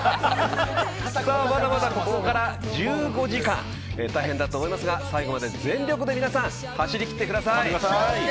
まだまだここから１５時間大変だと思いますが最後まで全力で皆さん走り切ってください。